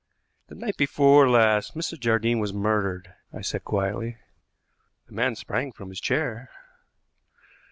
"The night before last Mrs. Jardine was murdered," I said quietly. The man sprang from his chair.